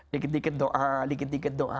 dikit dikit doa dikit dikit doa